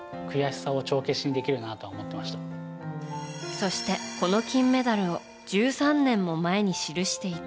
そして、この金メダルを１３年も前に記していた